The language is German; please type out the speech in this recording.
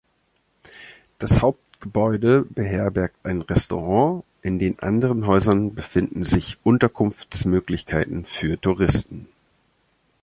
Das Hauptgebäude beherbergt ein Restaurant, in den anderen Häusern befinden sich Unterkunftsmöglichkeiten für Touristen.